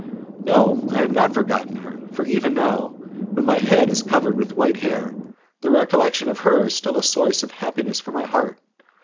No, I have not forgotten her, for even now, when my head is covered with white hair, the recollection of her is still a source of happiness for my heart!